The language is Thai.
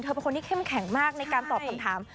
เป็นคนที่เข้มแข็งมากในการตอบคำถาม